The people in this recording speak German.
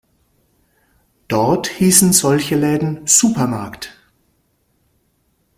Dort hießen solche Läden Supermarkt.